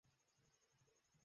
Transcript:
ওকে পরে ফোন করিস।